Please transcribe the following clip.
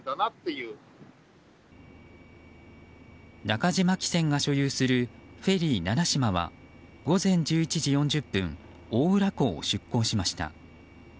中島汽船が所有する「フェリーななしま」は午前１１時４０分大浦港を出港しました。